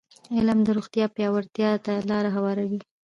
علم د روغتیا پیاوړتیا ته لاره هواروي.